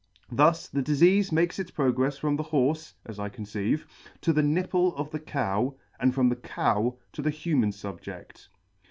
Thus the difeafe makes its progrefs from the Horfe (as I conceive) to the nipple of the Cow, and from the Cow to the Human SubjeCl.